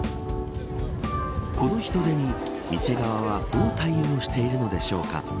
この人出に店側はどう対応しているのでしょうか。